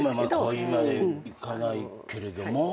恋までいかないけれども。